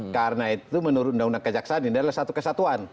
karena itu menurut undang undang kejaksaan ini adalah satu kesatuan